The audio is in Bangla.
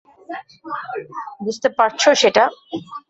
বুঝতে পারছো সেটা?